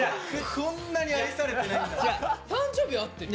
こんなに愛されてないんだ。